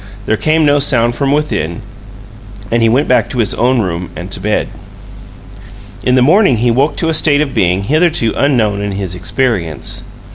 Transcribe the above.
There came no sound from within, and he went back to his own room and to bed. In the morning he woke to a state of being hitherto unknown in his experience.